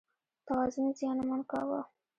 توازن یې زیانمن کاوه.